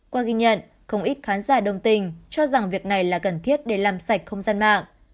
qua ghi nhận không ít khán giả đồng tình cho rằng việc này là cần thiết để làm sạch không gian mạng